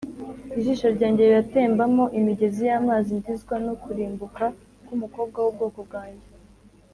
Ijisho ryanjye riratembamo imigezi y’amazi, Ndizwa no kurimbuka k’umukobwa w’ubwoko bwanjye.